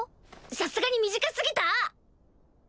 さすがに短過ぎた？